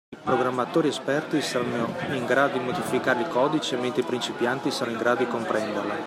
I programmatori esperti saranno in grado di modificare il codice mentre i principianti saranno in grado di comprenderlo.